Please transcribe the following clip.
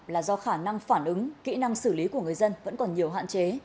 là do khả năng phản ứng kỹ năng xử lý của người dân vẫn còn nhiều hạn chế